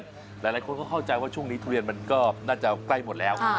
หลายคนก็เข้าใจว่าช่วงนี้ทุเรียนมันก็น่าจะใกล้หมดแล้ว